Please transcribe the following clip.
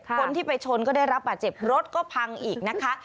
คนที่ไปชนก็ได้รับบาดเจ็บรถก็พังอีกนะคะ